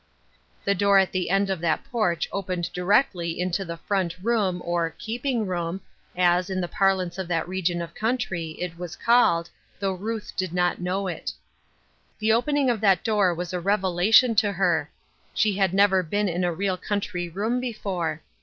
The door at the end of that porch opened directly into the front room, or " keeping room," as, in the parlance of that region of country, it was called, though Rnth did not know it. The opening of that door was a revelation to her. She had never been in a real country room before.